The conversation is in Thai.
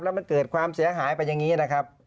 แล้วมันเกิดความเสียหายเป็นอย่างนี้นะครับ